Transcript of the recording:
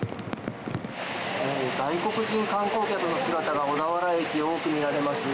外国人観光客の姿が小田原駅、多く見られます。